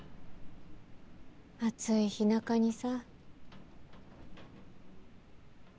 暑い日なかにさ。